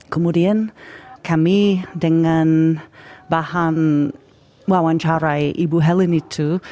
kemudian kami dengan bahan mewawancarai ibu helen itu